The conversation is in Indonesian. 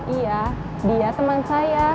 iya dia teman saya